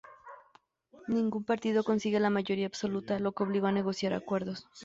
Ningún partido consigue la mayoría absoluta, lo que obligó a negociar acuerdos.